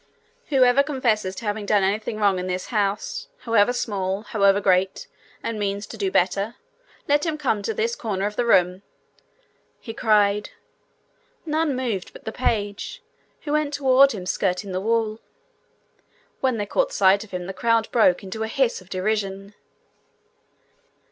'Whoever confesses to having done anything wrong in this house, however small, however great, and means to do better, let him come to this corner of the room,' he cried. None moved but the page, who went toward him skirting the wall. When they caught sight of him, the crowd broke into a hiss of derision.